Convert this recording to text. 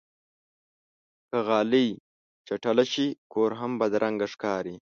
که غالۍ چټله شي، کور هم بدرنګه ښکاري.